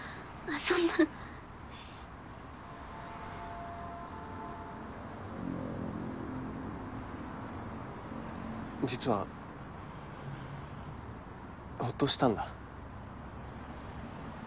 そんな実はホッとしたんだ